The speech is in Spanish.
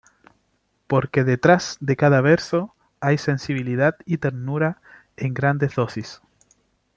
Porque detrás de cada verso hay sensibilidad y ternura en grandes dosis.